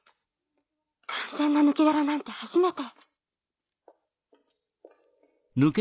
完全な抜け殻なんて初めて。